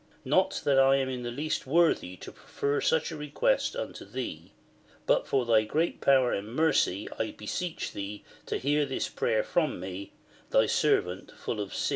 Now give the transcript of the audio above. Not that I am in the least worthy to prefer such request unto Thee ; but for Thy g'reat power and mercy I beseech Thee to hear this prayer from me Thy servant full of sm.